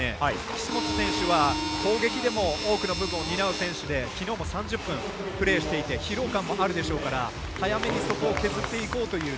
岸本選手は攻撃でも多くの部分を担う選手できのうも３０分間プレーしていて疲労感もあるでしょうから早めにそこを削っていこうという。